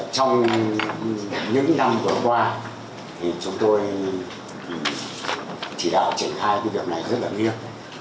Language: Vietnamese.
trong những năm vừa qua thì chúng tôi chỉ đạo triển khai cái việc này rất là nghiêm